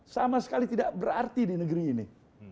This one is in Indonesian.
sama sekali tidak berarti di negeri ini